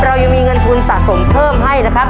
เรายังมีเงินทุนสะสมเพิ่มให้นะครับ